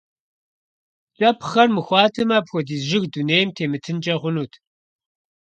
КIэпхъхэр мыхъуатэмэ, апхуэдиз жыг дунейм темытынкIэ хъунт.